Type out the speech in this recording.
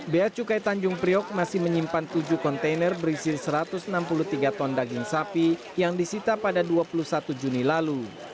bea cukai tanjung priok masih menyimpan tujuh kontainer berisi satu ratus enam puluh tiga ton daging sapi yang disita pada dua puluh satu juni lalu